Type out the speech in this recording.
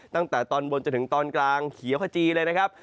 ตั้งแต่ตอนบนจนถึงตอนกลางเขียวขจีเลยนะครับ